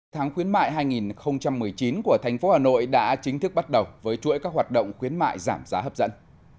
tháng khuyến mại hai nghìn một mươi chín của thành phố hà nội đã chính thức bắt đầu với chuỗi các hoạt động khuyến mại giảm giá hấp dẫn